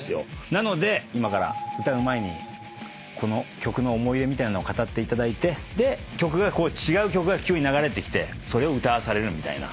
なので今から歌う前にこの曲の思い出みたいなのを語っていただいて曲が違う曲が急に流れてきてそれを歌わされるみたいな。